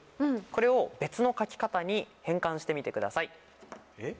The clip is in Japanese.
これを別の書き方に変換してみてください。